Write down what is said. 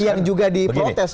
yang juga diprotes